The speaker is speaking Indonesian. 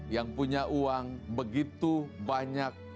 yang punya uang begitu banyak